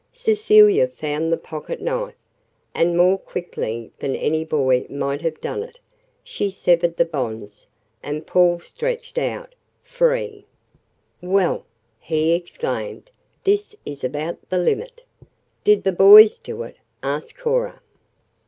Cecilia found the pocket knife, and, more quickly than any boy might have done it, she severed the bonds, and Paul stretched out free. "Well," he exclaimed, "this is about the limit!" "Did the boys do it?" asked Cora.